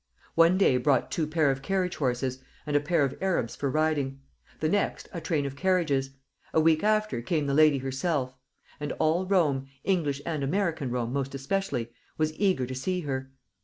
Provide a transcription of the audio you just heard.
One day brought two pair of carriage horses, and a pair of Arabs for riding; the next, a train of carriages; a week after came the lady herself; and all Rome English and American Rome most especially was eager to see her.